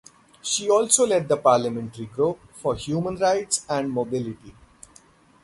She also led the parliamentary group for Human Rights and Mobility.